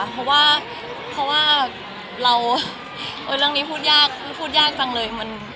เพราะว่าเราเรื่องนี้พูดยากพูดยากจังเลย